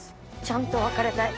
ちゃんと別れたい。